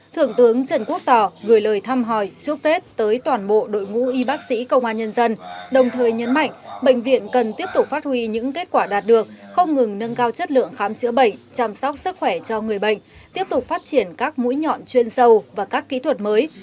thượng tướng trần quốc tỏ gửi lời thăm hỏi chúc tết tới toàn bộ đội ngũ y bác sĩ công an nhân dân đồng thời nhấn mạnh bệnh viện cần tiếp tục phát huy những kết quả đạt được không ngừng nâng cao chất lượng khám chữa bệnh chăm sóc sức khỏe cho người bệnh tiếp tục phát triển các mũi nhọn chuyên sâu và các kỹ thuật mới